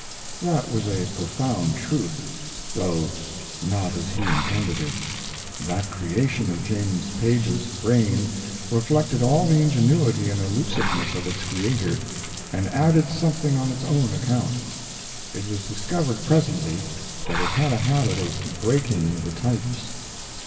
That was a profound truth, though not as he intended it. That creation of James Paige's brain reflected all the ingenuity and elusiveness of its creator, and added something on its own account. It was discovered presently that it had a habit of breaking the types.